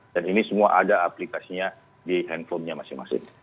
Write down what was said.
dan ini semua ada aplikasinya di handphonenya masing masing